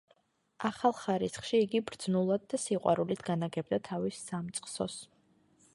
ახალ ხარისხში იგი ბრძნულად და სიყვარულით განაგებდა თავის სამწყსოს.